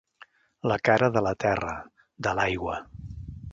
La cara de la terra, de l'aigua.